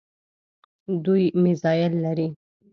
دوی میزایل لري.